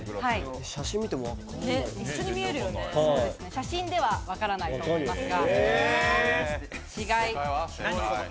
写真ではわからないと思いますが。